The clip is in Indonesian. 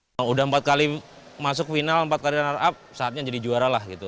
sudah empat kali masuk final empat kali runner up saatnya jadi juara lah gitu